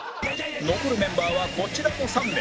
残るメンバーはこちらの３名